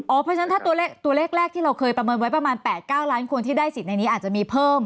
เพราะฉะนั้นถ้าตัวเลขแรกที่เราเคยประเมินไว้ประมาณ๘๙ล้านคนที่ได้สิทธิ์ในนี้อาจจะมีเพิ่ม